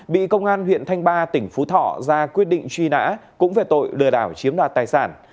bị công an huyện thanh ba tỉnh phú thọ ra quyết định truy nã cũng về tội lừa đảo chiếm đoạt tài sản